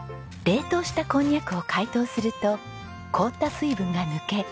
冷凍したこんにゃくを解凍すると凍った水分が抜け